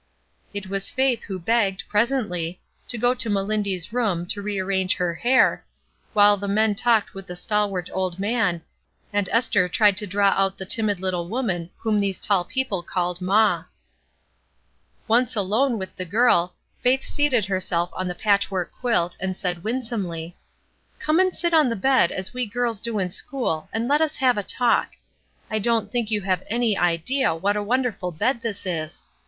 It was Faith who begged, presently, to go to Melindy's room to rearrange her hair, while the men talked with the stalwart old man, and Esther tried to draw out the timid little woman whom these tall people called "maw." Once alone with the girl, Faith seated her self on the patchwork quilt, and said winsomely : "Come and sit on the bed as we girls do in 194 ESTER RIED'S NAMESAKE school and let us have a talk. I don't think you have any idea what a wonderful bed this is